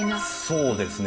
そうですね。